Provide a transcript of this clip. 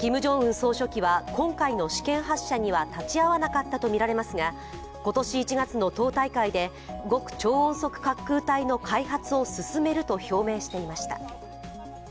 総書記は今回の試験発射には立ち会わなかったとみられますが今年１月の党大会で、極超音速滑空体の開発を進めると表明していました。